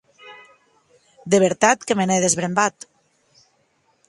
De vertat que me n’è desbrembat.